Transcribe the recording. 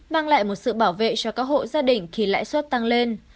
mang lại một sự bảo vệ cho các hộ gia đình khi lãi suất tăng lên